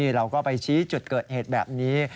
เราก็ไปชี้จุดเกิดเหตุแบบนี้